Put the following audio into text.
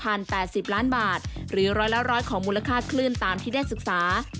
แปดสิบล้านบาทหรือร้อยละร้อยของมูลค่าคลื่นตามที่ได้ศึกษา